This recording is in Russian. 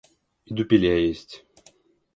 И дупеля есть.